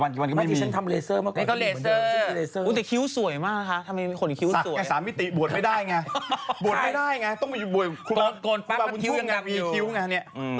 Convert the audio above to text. บางคนก็ไม่มีขนถ้องน้ำนี่ก็ไม่มีอยู่ละกี๊วันกี๊วันก็ไม่มีไม่นี่ฉันทำเลเสอร์เมื่อก่อน